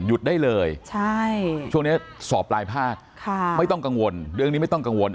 หยุดได้เลยใช่ช่วงเนี้ยสอบรายภาคค่ะไม่ต้องกังวลเรื่องนี้ไม่ต้องกังวล